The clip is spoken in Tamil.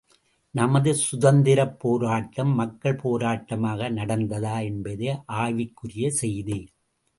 நமது சுதந்தரப் போராட்டம் மக்கள் போராட்டமாக நடந்ததா என்பதே ஆய்வுக்குரிய செய்தி!